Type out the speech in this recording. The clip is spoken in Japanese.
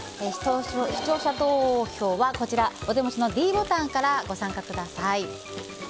視聴者投票はお手持ちのｄボタンからご参加ください。